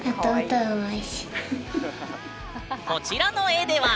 こちらの絵では。